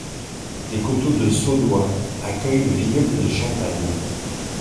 Les coteaux de Saudoy accueillent le vignoble de Champagne.